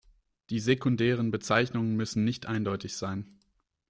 Die sekundären Bezeichnungen müssen nicht eindeutig sein.